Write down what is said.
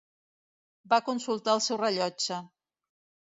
Va consultar el seu rellotge.